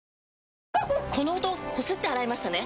この音こすって洗いましたね？